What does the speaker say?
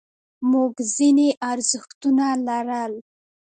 موږ ځینې ارزښتونه لرل.